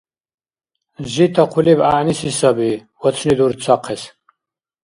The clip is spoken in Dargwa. Жита хъулиб гӀягӀниси саби, вацни дурцахъес.